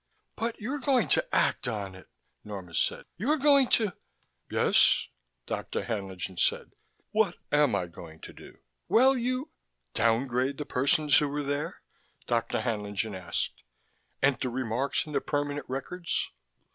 "But you're going to act on it," Norma said. "You're going to " "Yes?" Dr. Haenlingen said. "What am I going to do?" "Well, you " "Downgrade the persons who were there?" Dr. Haenlingen asked. "Enter remarks in the permanent records?